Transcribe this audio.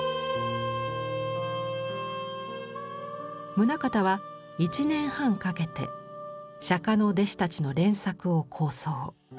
棟方は１年半かけて釈の弟子たちの連作を構想。